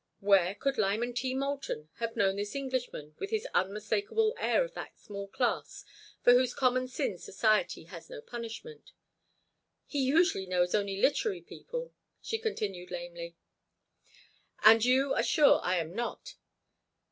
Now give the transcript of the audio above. Where could Lyman T. Moulton have known this Englishman with his unmistakable air of that small class for whose common sins society has no punishment? "He usually knows only literary people," she continued, lamely. "And you are sure I am not!"